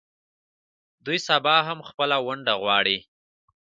دوی سبا هم خپله ونډه غواړي.